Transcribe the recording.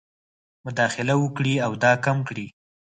مداخله وکړي او دا کم کړي.